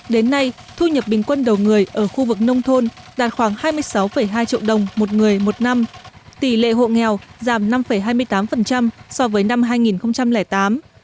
đến nay thu nhập bình quân đầu người ở khu vực nông thôn đạt khoảng hai mươi sáu hai triệu đồng một người một năm tỷ lệ hộ nghèo giảm năm hai mươi tám so với năm hai nghìn tám